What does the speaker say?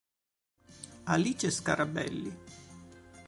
Alice Scarabelli